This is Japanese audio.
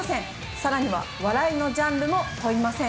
さらには、笑いのジャンルも問いません。